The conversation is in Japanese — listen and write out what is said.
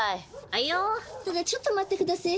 ただちょっと待ってくだせえ。